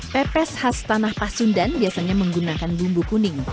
pepes khas tanah pasundan biasanya menggunakan bumbu kuning